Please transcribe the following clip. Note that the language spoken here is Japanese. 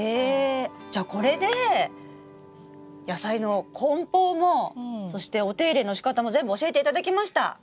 じゃこれで野菜のこん包もそしてお手入れのしかたも全部教えていただきました！